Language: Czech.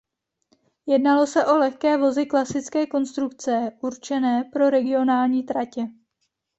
Jednalo se o lehké vozy klasické konstrukce určené pro regionální tratě.